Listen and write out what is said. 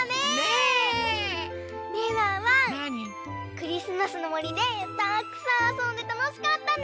クリスマスのもりでたくさんあそんでたのしかったね！